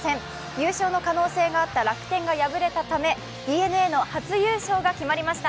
優勝の可能性のあった楽天が敗れたためＤｅＮＡの初優勝が決まりました。